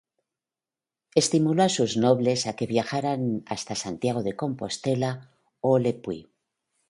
Estimuló a sus nobles a que viajaran hasta Santiago de Compostela o Le Puy.